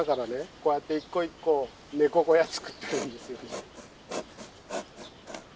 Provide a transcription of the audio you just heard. こうやって一個一個ネコ小屋作ってるんですよ。